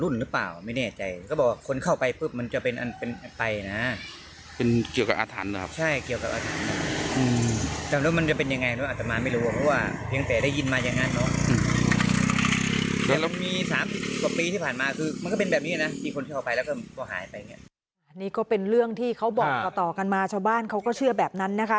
อันนี้ก็เป็นเรื่องที่เขาบอกต่อกันมาชาวบ้านเขาก็เชื่อแบบนั้นนะคะ